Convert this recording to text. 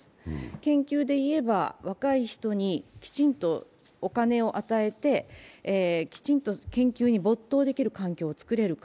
研究で言えば若い人にきちんとお金を与えて、きちんと研究に没頭できる環境を作れるか。